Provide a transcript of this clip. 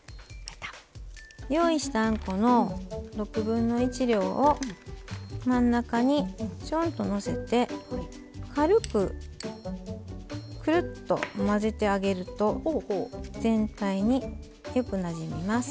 用意したあんこの６分の１量を真ん中にちょんとのせて軽くくるっと混ぜてあげると全体によくなじみます。